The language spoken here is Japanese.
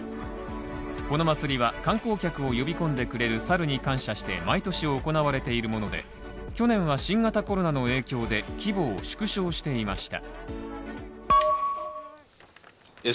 この祭りは、観光客を呼び込んでくれるサルに感謝して毎年行われているもので去年は新型コロナの影響で規模を縮小していました。